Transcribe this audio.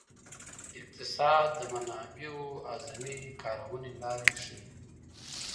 اقتصاد د منابعو اعظمي کارونې لارې ښيي.